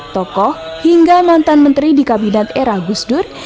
tokoh hingga mantan menteri di kabinet era gusdur